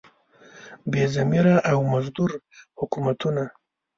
بې ضمیره او مزدور حکومتونه.